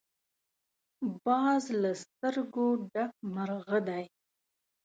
باز له سترګو ډک مرغه دی